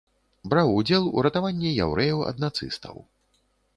Браў удзел у ратаванні яўрэяў ад нацыстаў.